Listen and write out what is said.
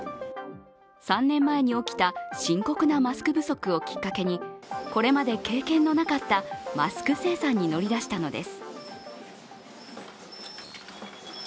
３年前に起きた深刻なマスク不足をきっかけにこれまで経験のなかったマスク生産に乗り出したのです。